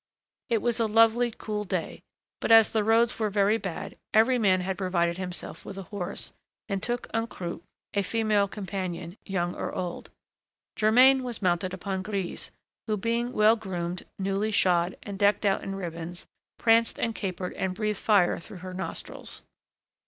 It was a lovely, cool day; but, as the roads were very bad, every man had provided himself with a horse, and took en croupe a female companion, young or old. Germain was mounted upon Grise, who, being well groomed, newly shod, and decked out in ribbons, pranced and capered and breathed fire through her nostrils.